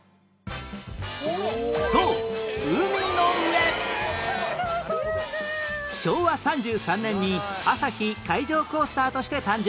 そう昭和３３年にアサヒ海上コースターとして誕生